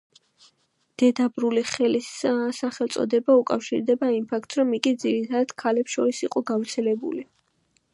დედაბრული ხელის სახელწოდება უკავშირდება იმ ფაქტს, რომ იგი ძირითადად ქალებს შორის იყო გავრცელებული.